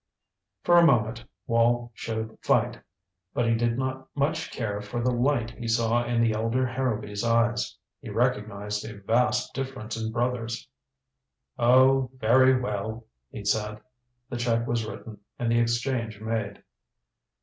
For a moment Wall showed fight, but he did not much care for the light he saw in the elder Harrowby's eyes. He recognized a vast difference in brothers. "Oh very well," he said. The check was written, and the exchange made.